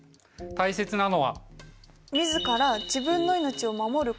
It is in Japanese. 大切なのは。